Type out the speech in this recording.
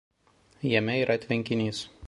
Jame yra tvenkinys.